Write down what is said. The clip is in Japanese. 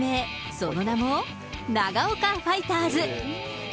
その名も、長丘ファイターズ。